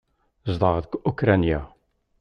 Zedɣeɣ deg Ukṛanya.